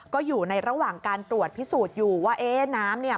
ก็อยู่ในระหว่างการตรวจพิสูจน์อยู่ว่าเอ๊ะน้ำเนี่ย